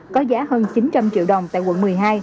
có giá hơn chín trăm linh triệu đồng tại quận một mươi hai